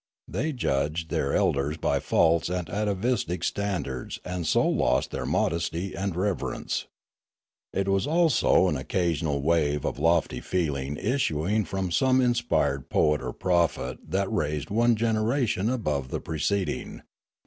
They judged their elders by false and atavistic standards and so lost their modesty and reverence. It was only an occasional wave of lofty feeling issuing from some inspired poet or prophet that raised one generation above the preced ing.